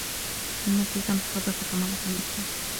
هل نسيت محفظتك مرّة أخرى؟